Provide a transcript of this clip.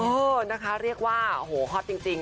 เออนะคะเรียกว่าโอ้โหฮอตจริง